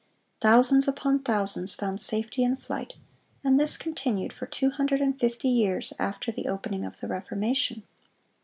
Thousands upon thousands found safety in flight; and this continued for two hundred and fifty years after the opening of the Reformation.